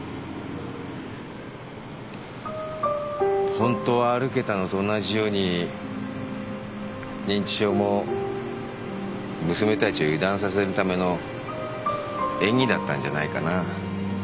ホントは歩けたのと同じように認知症も娘たちを油断させるための演技だったんじゃないかな？